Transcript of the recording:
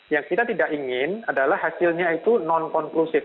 yang kita tidak ingin adalah hasilnya itu non konklusif